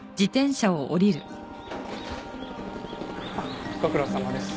あっご苦労さまです。